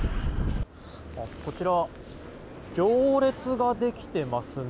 こちら行列ができていますね。